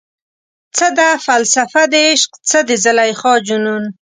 څه ده فلسفه دعشق، څه د زلیخا جنون؟